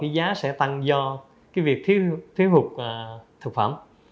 tóm đầu giá sẽ tăng do việc thiếu hụt thực phẩm